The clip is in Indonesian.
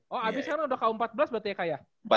oh abis sekarang udah ku empat belas berarti ya kak ya